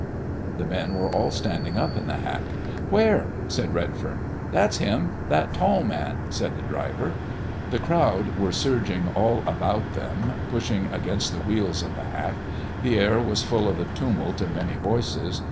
The men were all standing up in the hack. "Where?" said Redfern. "That's Him that tall man," said the driver. The crowd were surging all about them, pushing against the wheels of the hack. The air was full of the tumult of many voices.